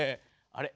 あれ？